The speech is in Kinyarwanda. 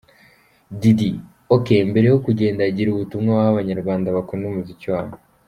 Diddy : Ok, mbere yo kugenda gira ubutumwa waha Abanyarwanda bakunda umuziki wawe ?.